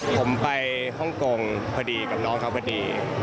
ผมไปฮ่องกงพอดีกับน้องเขาพอดี